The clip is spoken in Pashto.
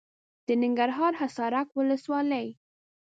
د ننګرهار حصارک ولسوالي .